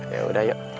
ya udah yuk